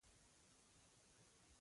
د غرب لوڼې به دې ناز په اننګو وړي